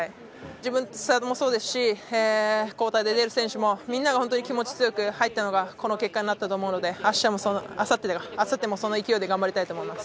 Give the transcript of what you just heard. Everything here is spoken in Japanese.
自分、スタートもそうですし交代で出る選手もみんなが本当に気持ち強く入ったのがこの結果になったと思うのであさっても、その勢いで頑張りたいと思います。